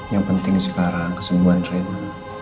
yang penting sekarang kesembuhan rein